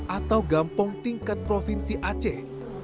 atau gampong tingkat provinsi aceh